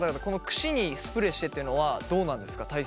この櫛にスプレーしてっていうのはどうなんですか？